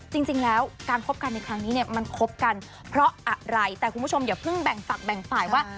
จริงแล้วการคบกันในครั้งนี้เนี่ยมันคบกันเพราะอะไรแต่คุณผู้ชมอย่าเพิ่งแบ่งฝักแบ่งฝ่ายว่า